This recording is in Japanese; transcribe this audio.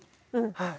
はい。